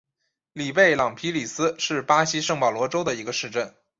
里贝朗皮里斯是巴西圣保罗州的一个市镇。